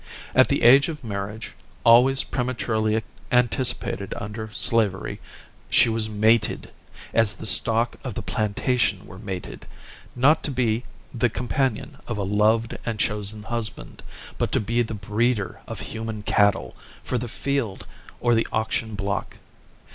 At the age of marriage always prematurely anticipated under slavery she was mated, as the stock of the plantation were mated, not to be the companion of a loved and chosen husband, but to be the breeder of human cattle, for the field or the auction block.